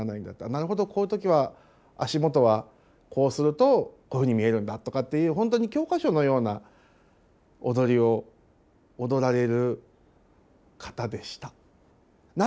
なるほどこういう時は足元はこうするとこういうふうに見えるんだとかっていう本当にそれが教科書じゃないんですよだからね。